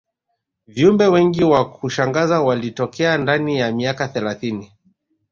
viumbe wengi wa kushangaza walitokea ndani ya miaka thelathini